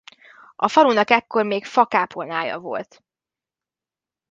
A falunak ekkor még fa kápolnája volt.